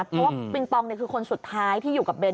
เพราะว่าปิงปองคือคนสุดท้ายที่อยู่กับเบน